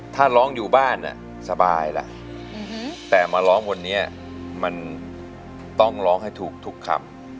ถ้าร้องอยู่บ้านสบายล่ะแต่มาร้องวันนี้มันต้องร้องให้ถูกทุกคำ